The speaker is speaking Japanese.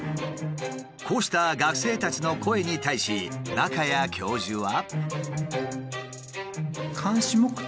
こうした学生たちの声に対し仲矢教授は。